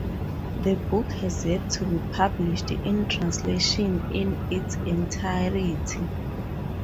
The book has yet to be published in translation in its entirety.